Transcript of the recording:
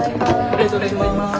ありがとうございます。